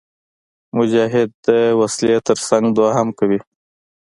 مجاهد د وسلې تر څنګ دعا هم کوي.